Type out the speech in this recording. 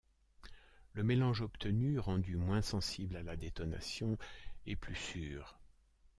Le mélange obtenu, rendu moins sensible à la détonation, est plus sûr.